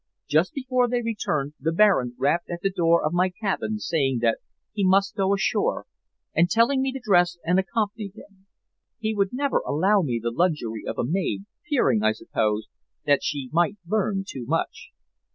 Just before they returned the Baron rapped at the door of my cabin saying that he must go ashore, and telling me to dress and accompany him. He would never allow me the luxury of a maid, fearing, I suppose, that she might learn too much.